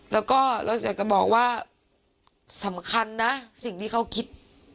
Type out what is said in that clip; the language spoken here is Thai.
แล้วก็เราอยากจะบอกว่าสำคัญนะสิ่งที่เขาคิด